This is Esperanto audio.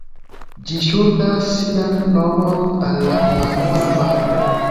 Ĝi ŝuldas sian nomon al la Marmora maro.